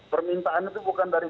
permintaan itu bukan dari